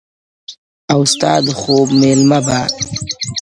او ستا د خوب مېلمه به،